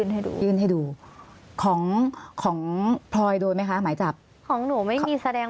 ให้ดูยื่นให้ดูของของพลอยโดนไหมคะหมายจับของหนูไม่มีแสดง